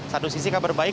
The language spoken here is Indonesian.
satu sisi kabar baik